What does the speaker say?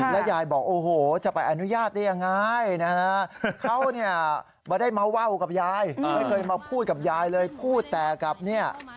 แล้วยายบอกโอ้โหจะไปอนุญาตได้ยังไงนะ